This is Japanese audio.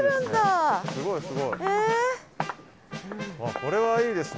これはいいですね。